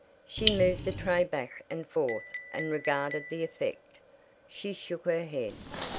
She moved the tray back and forth and regarded the effect. She shook her head.